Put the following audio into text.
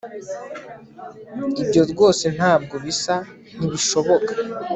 ibyo rwose ntabwo bisa nkibishoboka